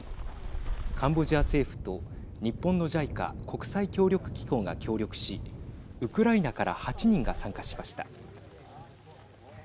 カンボジア政府と日本のＪＩＣＡ＝国際協力機構が協力しウクライナから８人が参加しました。